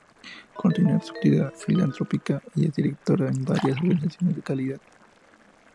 Continúa con su actividad filantrópica y es directora en varias organizaciones de caridad.